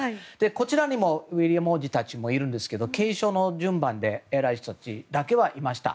こちらにもウィリアム王子たちもいるんですけど継承の順番で偉い人たちだけはいました。